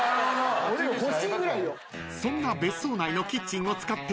［そんな別荘内のキッチンを使って］